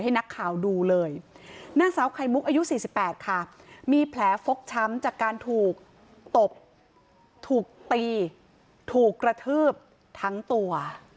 อายุ๔๘ค่ะมีแผลฟกช้ำจากการถูกตบถูกตีถูกกระทืบทั้งตัว